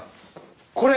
これ！